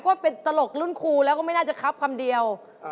ก็เป็นตลกรุ่นครูแล้วก็ไม่น่าจะครับคำเดียว